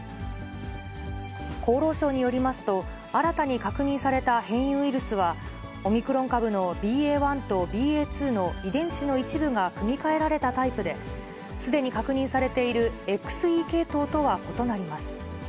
厚労省によりますと、新たに確認された変異ウイルスは、オミクロン株のＢＡ．１とＢＡ．２の遺伝子の一部が組み換えられたタイプで、すでに確認されているＸＥ系統とは異なります。